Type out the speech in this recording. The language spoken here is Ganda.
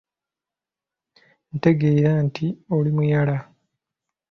Ntegeera nti oli muyala.